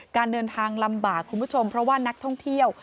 การเดินทางลำบากคุณผู้ชมเพราะว่านักท่องเที่ยว